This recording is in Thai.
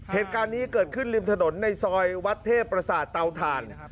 เหตุการณ์นี้เกิดขึ้นริมถนนในซอยวัดเทพประสาทเตาถ่าน